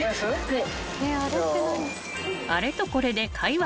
・はい。